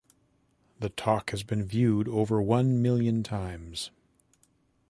The talk has been viewed over one million times.